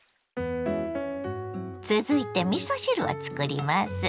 ⁉続いてみそ汁をつくります。